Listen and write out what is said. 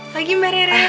pagi mbak rere